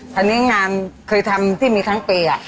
ทีนี้งานเคยทำที่มีทั้งปีอ่ะ